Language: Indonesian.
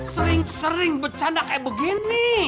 sering sering bercanda kayak begini